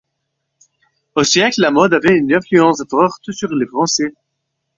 Au siècle la mode avait une influence forte sur les Français.